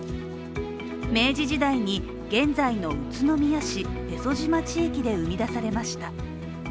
明治時代に、現在の宇都宮市江曽島地域で生み出されました。